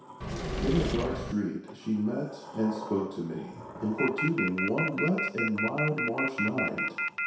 In a dark street she met and spoke to me, Importuning, one wet and mild March night.